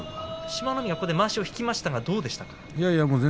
志摩ノ海まわしを引きましたがどうですか。